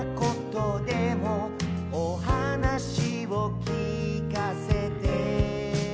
「おはなしをきかせて」